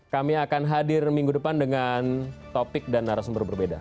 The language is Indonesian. kami akan hadir minggu depan dengan topik dan narasumber berbeda